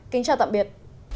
kính chào tạm biệt